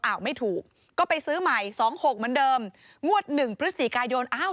ไม่ถูกก็ไปซื้อใหม่สองหกเหมือนเดิมงวดหนึ่งพฤศจิกายนอ้าว